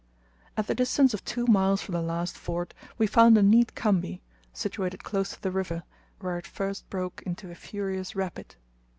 At the distance of two miles from the last ford, we found a neat khambi, situated close to the river, where it first broke into a furious rapid.